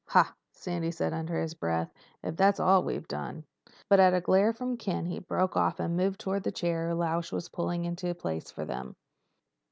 "Hah!" Sandy said under his breath. "If that's all we'd done—!" But at a glare from Ken he broke off and moved toward the chairs Lausch was pulling into place for them.